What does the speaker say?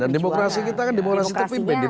dan demokrasi kita kan demokrasi terpimpin di tni